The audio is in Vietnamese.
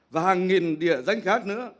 và hàng nghìn địa danh khác nữa